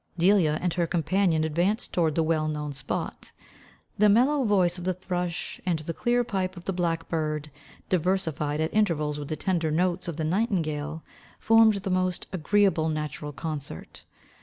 Delia and her companion advanced towards the well known spot. The mellow voice of the thrush, and the clear pipe of the blackbird, diversified at intervals with the tender notes of the nightingale, formed the most agreable natural concert.